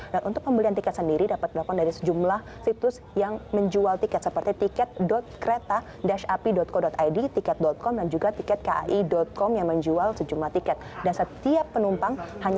dan untuk pembelian tiket sendiri dapat dilakukan dari sejumlah situs